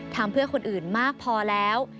ทำเพื่อคนอื่นมากพอแล้ว